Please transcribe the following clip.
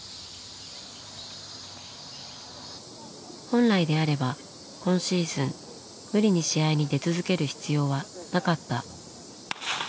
本来であれば今シーズン無理に試合に出続ける必要はなかった。